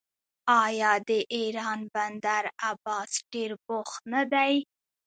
آیا د ایران بندر عباس ډیر بوخت نه دی؟